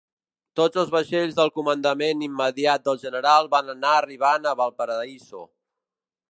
Tots els vaixells del comandament immediat del general van anar arribant a Valparaíso.